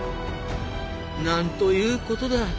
なんということだ。